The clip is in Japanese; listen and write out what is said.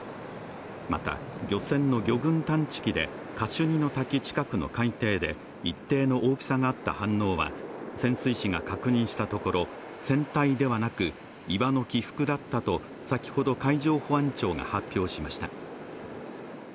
また、漁船の魚群探知器でカシュニの滝近くの海底で一定の大きさがあった反応は潜水士が確認したところ船体ではなく岩の起伏だったと先ほど海上保安庁が発表しました。